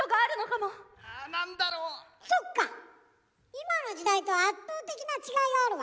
今の時代と圧倒的な違いがあるわ。